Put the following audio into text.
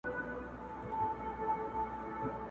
يو څه ځواني وه، څه مستي وه، څه موسم د ګُلو!!